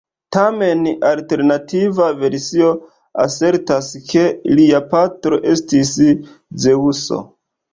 Tamen, alternativa versio asertas ke lia patro estis Zeŭso.